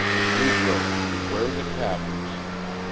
"Negroes, beware the cappers.